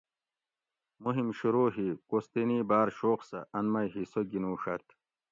مہم شروع ہی کوستینی باۤر شوق سہۤ ان مئ حصہ گِنُوڛت